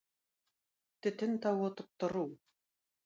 Төтен тавы тоттыру.